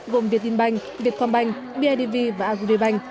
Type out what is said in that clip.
gồm vietinbank vietcombank bidv và agribank